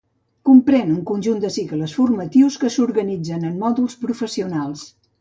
Comprèn un conjunt de cicles formatius que s'organitzen en mòduls professionals.